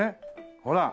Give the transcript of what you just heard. ほら！